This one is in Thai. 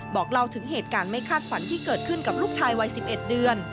บอกเล่าถึงเหตุการณ์ไม่คาดฝันที่เกิดขึ้นกับลูกชายวัย๑๑เดือน